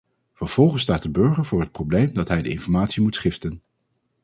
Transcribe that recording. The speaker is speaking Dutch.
Vervolgens staat de burger voor het probleem dat hij de informatie moet schiften.